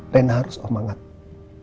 rena harus semangat